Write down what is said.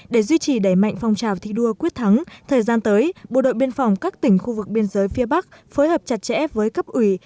để duy trì đẩy mạnh phong trào thi đua quyết thắng thời gian tới bộ đội biên phòng các tỉnh khu vực biên giới phía bắc phối hợp chặt chẽ với cấp ủy